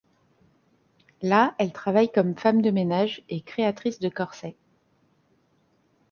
Là, elle travaille comme femme de ménage et créatrice de corsets.